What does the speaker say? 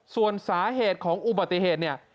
ส่วนสาเหตุของอุบัติเหตุเนี่ย